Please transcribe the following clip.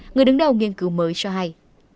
người đứng đầu nghiên cứu mới cho hay